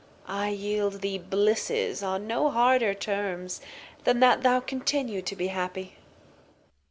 I yield the Blisses on no harder Terms Than that thou continue to be happy.